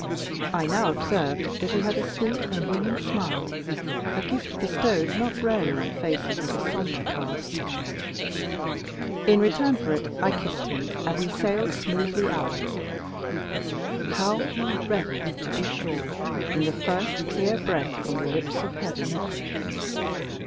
I now observed that he had a sweet and winning smile a gift bestowed not rarely on faces of a sombre cast. In return for it I kissed him, and we sailed smoothly out. How he revelled, to be sure, in the first clear breath from the lips of heaven!